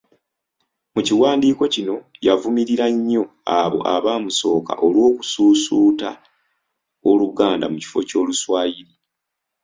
Mu kiwandiiko kino yavumirira nnyo abo abamusooka olw'okususuuta Oluganda mu kifo ky'oluswayiri.